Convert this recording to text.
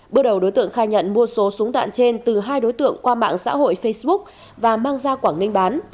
bước đầu đối tượng khai nhận mua số súng đạn trên từ hai đối tượng qua mạng xã hội facebook và mang ra quảng ninh bán